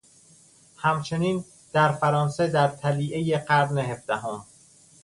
همچنین در فرانسه در طلیعه قرن هفدهم